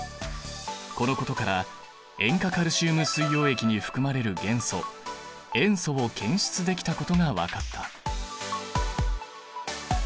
このことから塩化カルシウム水溶液に含まれる元素塩素を検出できたことが分かった。